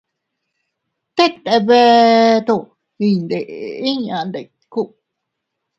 Tet ndebeto iyndeʼe inñ ndiku.